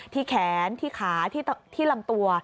ที่แขนที่ขาที่ลำตัว